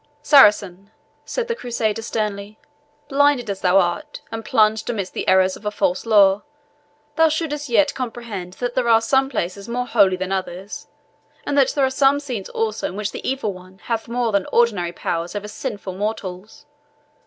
"Saracen," said the Crusader sternly, "blinded as thou art, and plunged amidst the errors of a false law, thou shouldst yet comprehend that there are some places more holy than others, and that there are some scenes also in which the Evil One hath more than ordinary power over sinful mortals.